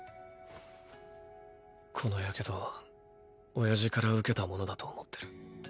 この火傷は親父から受けたものだと思ってる。